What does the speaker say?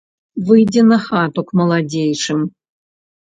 Выйдзе на хату к маладзейшым.